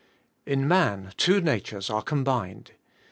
IN man two natures are combined.